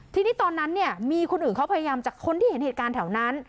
ทีนี้ตอนนั้นเนี่ยมีคนอื่นเขาพยายามจากคนที่เห็นเหตุการณ์แถวนั้น